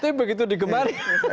tapi begitu digemar